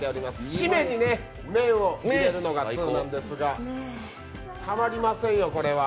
締めに麺を入れるのが通なんですが、たまりませんよ、これは。